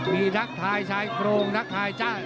มีดักไทยซ้ายโกรงดักไทยจ้า